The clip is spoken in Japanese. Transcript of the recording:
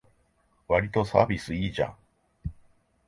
わりとサービスいいじゃん